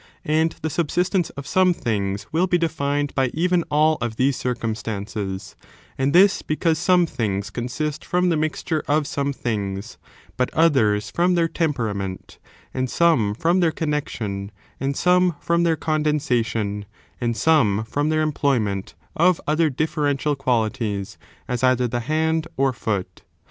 And the subsistence of some things will be defined by even all of these circumstances; and this because some things consist from the mixture of some things, but others from their temperament, and some from their connexion, and some from their condensation, and some from their employ ment of other differential qualities, as either the hand or foot.